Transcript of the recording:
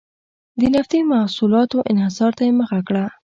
د نفتي محصولاتو انحصار ته یې مخه کړه.